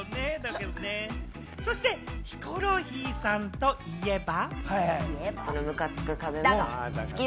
そしてヒコロヒーさんといえば。